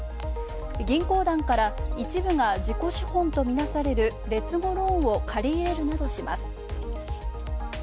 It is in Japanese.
銀行団から一部が自己資本とみなされる劣後ローンを借り入れるなどします。